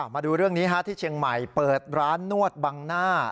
มาดูเรื่องนี้ที่เชียงใหม่เปิดร้านนวดบังหน้า